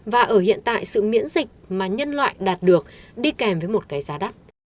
và ở hiện tại sự miễn dịch mà nhân loại đạt được đi kèm với một cái giá đắt